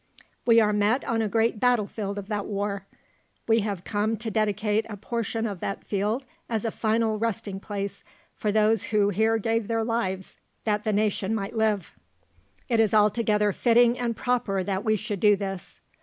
We are met on a great battle field of that war. We have come to dedicate a portion of that field as a final resting place for those who here gave their lives that the nation might live. It is altogether fitting and proper that we should do this.